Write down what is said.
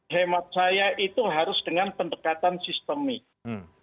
hemat saya itu harus dengan pendekatan sistemik